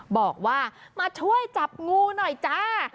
บอกว่ามาช่วยจับงูหน่อยจ้า